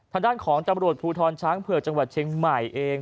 ทางด้านของตำรวจภูทรช้างเผือกจังหวัดเชียงใหม่เอง